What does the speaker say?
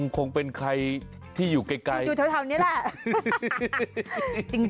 คงเป็นใครที่อยู่ไกลอยู่แถวนี้แหละ